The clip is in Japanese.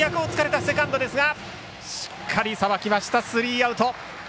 しっかりさばきましたスリーアウト。